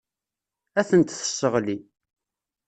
Ad tent-tesseɣli.